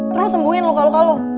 terus sembuhin lo kalau kalau